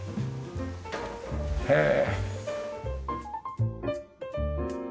へえ。